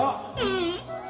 うん。